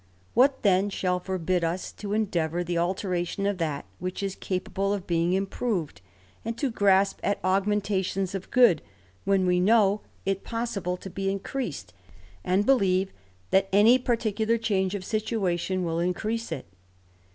What then shall forbid us to endeavour the aUenition of that which is capable of being improved, and \.jpxff at augmentations of good, when wc know it 86 THE RAMBLER. possible to be increased, and believe that any particulw change of situation will increase it